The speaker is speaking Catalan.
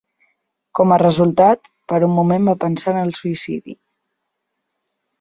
Com a resultat, per un moment va pensar en el suïcidi.